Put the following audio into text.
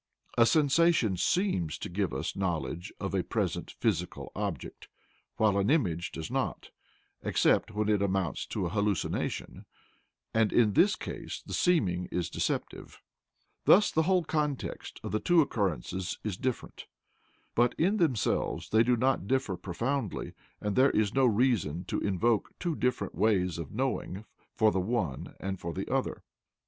A sensation SEEMS to give us knowledge of a present physical object, while an image does not, except when it amounts to a hallucination, and in this case the seeming is deceptive. Thus the whole context of the two occurrences is different. But in themselves they do not differ profoundly, and there is no reason to invoke two different ways of knowing for the one and for the other.